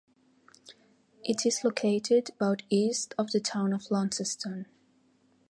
It is located about east of the town of Launceston.